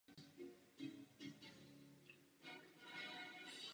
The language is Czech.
O něco větší prostor umožnil rozšíření nabídky knih.